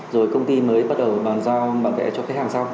rồi công ty mới bắt đầu bàn giao bản vẽ cho khách hàng